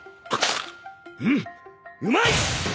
うんうまい！